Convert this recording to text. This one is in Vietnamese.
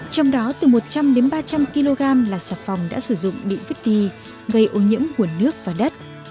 trong đó từ một trăm linh đến ba trăm linh kg là xà phòng đã sử dụng bị vứt đi gây ô nhiễm nguồn nước và đất